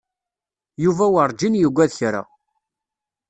Yuba werǧin yuggad kra.